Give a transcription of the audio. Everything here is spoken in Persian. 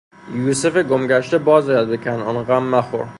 یوسف گم گشته باز آید به کنعان غم مخور